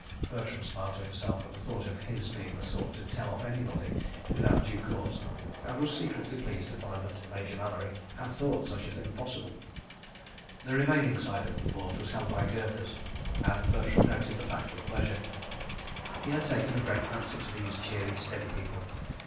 Bertram smiled to himself at the thought of his being the sort to "tell off" anybody without due cause and was secretly pleased to find that Major Mallery had thought such a thing possible. ... The remaining side of the fort was held by Gurkhas, and Bertram noted the fact with pleasure. He had taken a great fancy to these cheery, steady people.